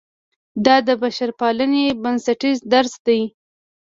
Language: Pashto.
دا د بشرپالنې بنسټیز درس دی.